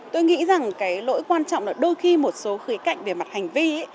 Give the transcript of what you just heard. tôi nghĩ rằng cái lỗi quan trọng là đôi khi một số khía cạnh về mặt hành vi ấy